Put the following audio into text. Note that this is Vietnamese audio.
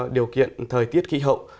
điều kiện thời tiết khí hậu